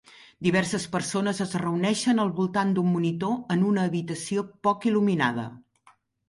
Diverses persones es reuneixen al voltant d'un monitor en una habitació poc il·luminada.